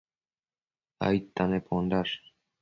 aidta nemposh?